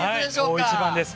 大一番です。